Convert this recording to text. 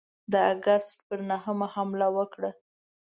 د آګسټ پر نهمه حمله وکړه.